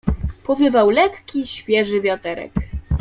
"Powiewał lekki, świeży wiaterek."